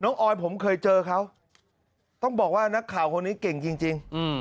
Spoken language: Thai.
ออยผมเคยเจอเขาต้องบอกว่านักข่าวคนนี้เก่งจริง